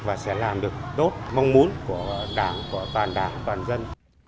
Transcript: và sẽ làm được tốt mong muốn của đảng của toàn đảng toàn dân